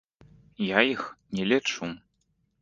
Я іх не лічу.